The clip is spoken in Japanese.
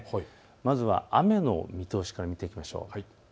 まずは雨の見通しから見ていきましょう。